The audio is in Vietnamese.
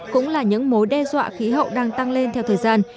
cũng là những mối đe dọa khí hậu đang tăng lên theo thời gian